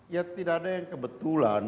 ya tidak ada yang kebetulan